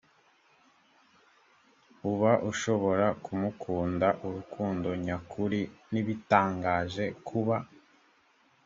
uba ushobora kumukunda urukundo nyakuri ntibitangaje kuba